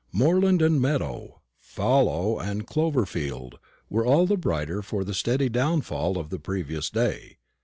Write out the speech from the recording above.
Moorland and meadow, fallow and clover field, were all the brighter for the steady downfall of the previous day.